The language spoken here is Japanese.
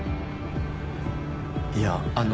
いやあの。